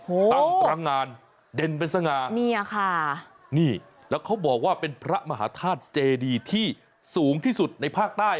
ตั้งตลางงานเด่นเป็นสงาแล้วเขาบอกว่าเป็นพระมหาธาตุเจดีที่สูงที่สุดในภาคใต้